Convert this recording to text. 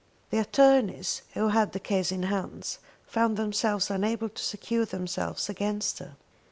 The attornies who had the case in hands, found themselves unable to secure themselves against her.